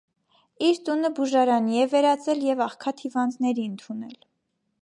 Իր տունը բուժարանի է վերածել և աղքատ հիվանդների ընդունել։